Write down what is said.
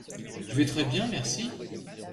Je vais très bien, merci.